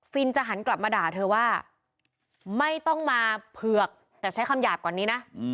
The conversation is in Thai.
จะหันกลับมาด่าเธอว่าไม่ต้องมาเผือกแต่ใช้คำหยาบก่อนนี้นะ